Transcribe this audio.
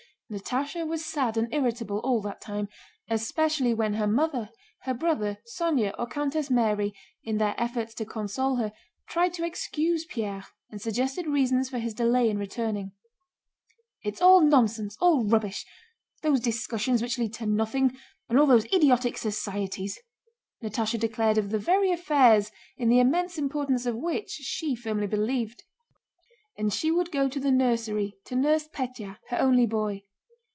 Natásha was sad and irritable all that time, especially when her mother, her brother, Sónya, or Countess Mary in their efforts to console her tried to excuse Pierre and suggested reasons for his delay in returning. "It's all nonsense, all rubbish—those discussions which lead to nothing and all those idiotic societies!" Natásha declared of the very affairs in the immense importance of which she firmly believed. And she would go to the nursery to nurse Pétya, her only boy.